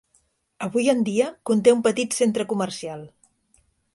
Avui en dia conté un petit centre comercial.